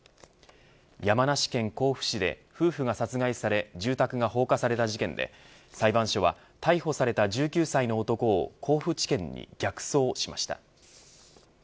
山梨県甲府市で夫婦が殺害され住宅が放火された事件で裁判所は逮捕された１９歳の男を甲府地検に逆送しました。